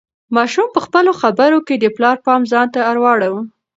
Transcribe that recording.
ماشوم په خپلو خبرو کې د پلار پام ځان ته اړاوه.